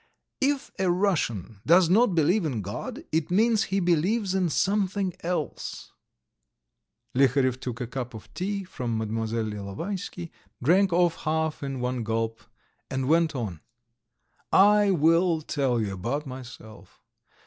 If a Russian does not believe in God, it means he believes in something else." Liharev took a cup of tea from Mlle. Ilovaisky, drank off half in one gulp, and went on: "I will tell you about myself.